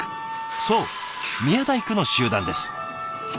そう宮大工の集団です。